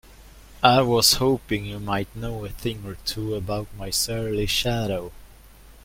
I was hoping you might know a thing or two about my surly shadow?